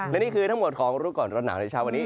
และนี่คือทั้งหมดของรู้ก่อนร้อนหนาวในเช้าวันนี้